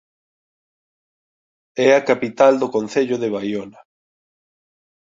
É a capital do concello de Baiona.